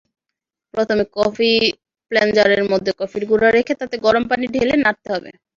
প্রথমে কফি প্লানজারের মধ্যে কফির গুঁড়া রেখে তাতে গরম পানি ঢেলে নাড়তে হবে।